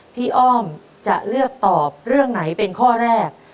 อ้อมจะเลือกตอบเรื่องไหนเป็นข้อแรก